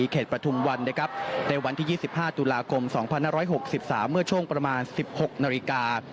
ประทุมวันในวันที่๒๕ตุลาคม๒๕๖๓เมื่อช่วงประมาณ๑๖นาฬิกา